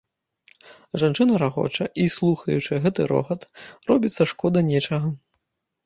Жанчына рагоча, і, слухаючы гэты рогат, робіцца шкода нечага.